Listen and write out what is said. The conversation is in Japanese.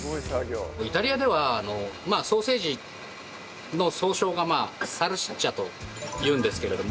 イタリアではソーセージの総称がサルシッチャと言うんですけれども。